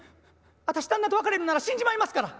私旦那と別れるなら死んじまいますから！」。